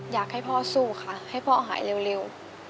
อยากให้พ่อสู้ค่ะให้พ่อหายเร็ว